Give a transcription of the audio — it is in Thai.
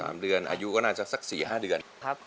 อายุก็น่าจะสัก๔๕เดือน